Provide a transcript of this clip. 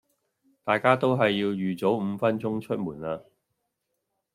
大家都係要預早五分鐘出門啦